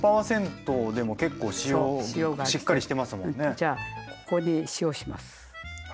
じゃあここに塩をします。